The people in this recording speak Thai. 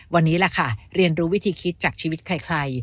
วันนี้แหละค่ะเรียนรู้วิธีคิดจากชีวิตใคร